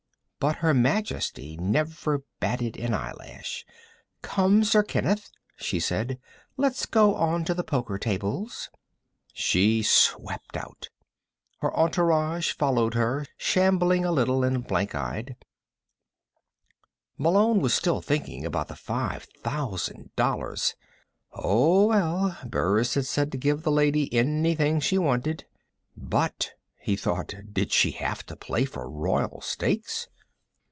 But Her Majesty never batted an eyelash. "Come, Sir Kenneth," she said. "Let's go on to the poker tables." She swept out. Her entourage followed her, shambling a little, and blank eyed. Malone was still thinking about the five thousand dollars. Oh, well, Burris had said to give the lady anything she wanted. But! he thought. _Did she have to play for royal stakes?